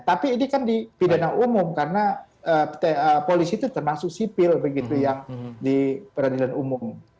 tapi ini kan di pidana umum karena polisi itu termasuk sipil begitu yang di peradilan umum